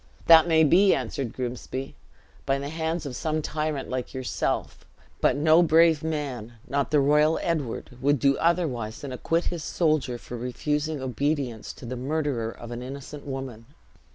"That may be," answered Grimsby, "by the hands of some tyrant like yourself; but no brave man, not the royal Edward, would do otherwise than acquit his soldier for refusing obedience to the murderer of an innocent woman.